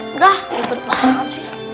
enggak rupet banget sih